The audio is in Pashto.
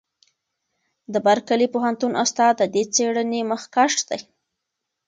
د برکلي پوهنتون استاد د دې څېړنې مخکښ دی.